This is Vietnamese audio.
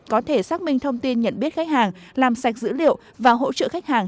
có thể xác minh thông tin nhận biết khách hàng làm sạch dữ liệu và hỗ trợ khách hàng